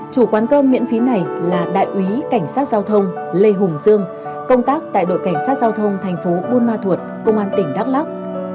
chủ quán cơm miễn phí này là đại úy cảnh sát giao thông lê hùng dương công tác tại đội cảnh sát giao thông thành phố buôn ma thuột công an tỉnh đắk lắc